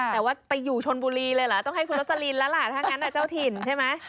แต่ว่าไปอยู่ชนบุรีเลยเหรอต้องให้คุณรสลินแล้วล่ะถ้างั้นเจ้าถิ่นใช่ไหม